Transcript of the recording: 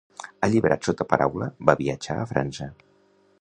Alliberat sota paraula, va viatjar a França.